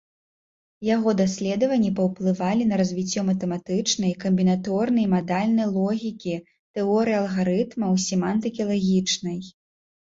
Яго даследаванні паўплывалі на развіццё матэматычнай, камбінаторнай і мадальнай логікі, тэорыі алгарытмаў, семантыкі лагічнай.